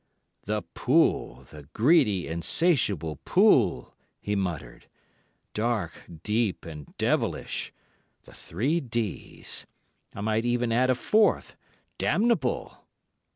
"'The pool, the greedy, insatiable pool!' he muttered. 'Dark, deep and devilish. The three D's. I might even add a fourth—damnable!